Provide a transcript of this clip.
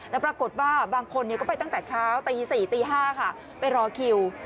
แต่ปรากฏว่าบางคนก็ไปตั้งแต่เช้าตี๔ตี๕ค่ะไปรอคิว